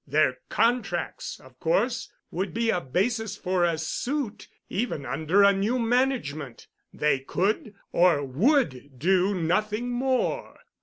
Their contracts, of course, would be a basis for a suit even under a new management. They could—or would do nothing more.